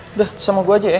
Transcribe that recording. udah sama gue aja ya